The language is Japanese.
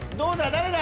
誰だ？